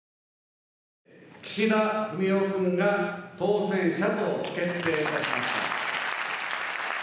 岸田文雄君が当選者と決定いたしました。